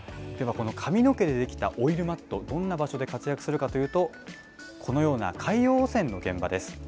この髪の毛で出来たオイルマット、どんな場所で活躍するかというと、このような海洋汚染の現場です。